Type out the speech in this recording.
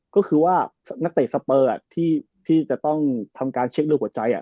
ก็คือว่านักเตะสเปอร์ที่จะต้องทำการเช็คดูหัวใจ